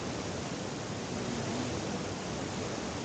pektayiituq